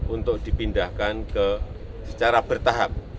untuk dipindahkan secara bertahap